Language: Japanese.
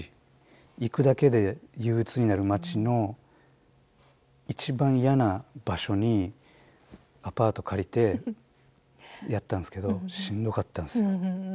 行くだけで憂鬱になる街の一番嫌な場所にアパート借りてやったんですけどしんどかったんですよ。